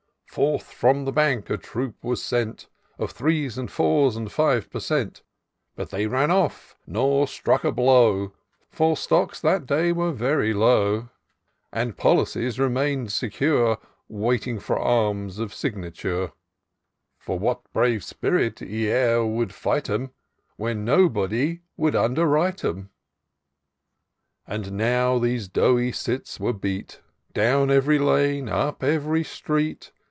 Forth from the Bank a troop was sent Of threes and fours and fives per cent. ; But they ran ofi*, nor struck a blow ; For Stocks that day were very low. Tlie Policies remain'd secure. Waiting for arms of signature ; For what brave spirit e'er would fight 'em, Wlien nobody would underwrite 'em. IN SEARCH OF THE PICTURESQUE. 329 " And now these doughty cits were beat, Down ev'ry lane, up ev'ry street.